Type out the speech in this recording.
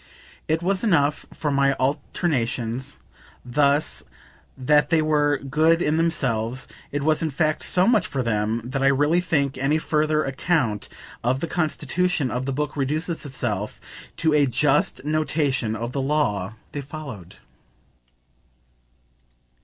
It was enough for my alternations, thus, that they were good in themselves; it was in fact so much for them that I really think any further account of the constitution of the book reduces itself to a just notation of the law they followed.